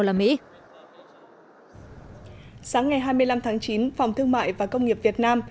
sáng ngày hai mươi năm tháng chín phòng thương mại và công nghiệp việt nam